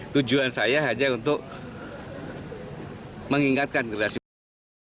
tujuan saya hanya untuk mengingatkan generasi muda